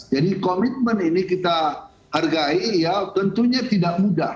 jadi komitmen ini kita hargai ya tentunya tidak mudah